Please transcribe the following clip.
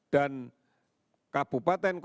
dan kabupaten kota terdampak